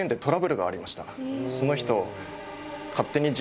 その人。